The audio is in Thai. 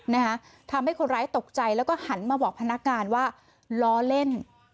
นะคะทำให้คนร้ายตกใจแล้วก็หันมาบอกพนักงานว่าล้อเล่น